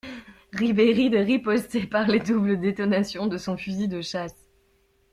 Ribéride ripostait par les doubles détonations de son fusil de chasse.